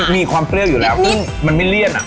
มีความเปรี้ยวอยู่แล้วซึ่งมันไม่เลี่ยน